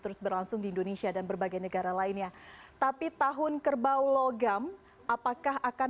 terus berlangsung di indonesia dan berbagai negara lainnya tapi tahun kerbau logam apakah akan